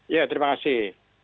ya terima kasih